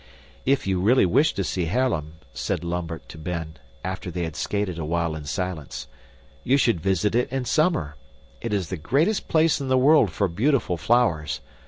"If you really wish to see Haarlem," said Lambert to Ben, after they had skated awhile in silence, "you should visit it in summer. It is the greatest place in the world for beautiful flowers.